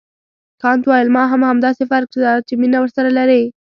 کانت وویل ما هم همداسې فرض کړه چې مینه ورسره لرې.